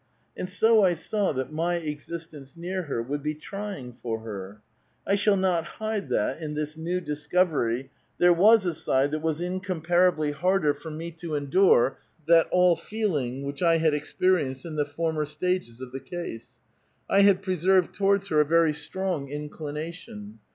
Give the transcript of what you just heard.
And so I saw that my existence near her would be trying for her. I shall not hide that, in this new discovery, there was a side that was incomparably harder for me to endure that all feeling which I had experienced in the former stages of the case. I had preserved towards her a very strong inclination.